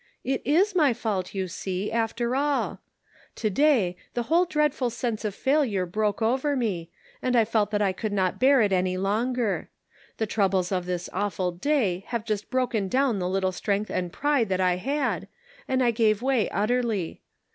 It is my fault, you see, after all To day, the whole dreadful sense of fail ure broke over me, and I felt that I could not An Open Door. 299 bear it any longer ; the troubles of this awful day have just broken down the little strength and pride that I had, and I gave way utterly.